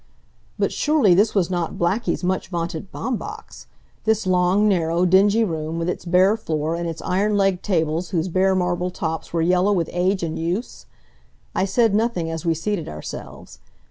But surely this was not Blackie's much vaunted Baumbach's! This long, narrow, dingy room, with its bare floor and its iron legged tables whose bare marble tops were yellow with age and use! I said nothing as we seated ourselves.